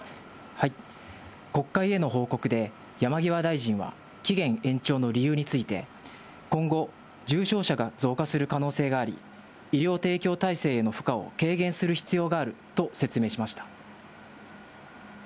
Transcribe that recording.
国会への報告で、山際大臣は、期限延長の理由について、今後、重症者が増加する可能性があり、医療提供体制への負荷を軽減する必要があると説明しました。